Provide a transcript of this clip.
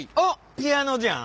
ピアノじゃん。